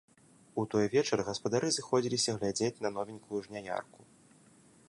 У той вечар гаспадары сыходзіліся глядзець на новенькую жняярку.